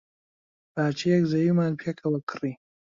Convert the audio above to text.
پارچەیەک زەویمان پێکەوە کڕی.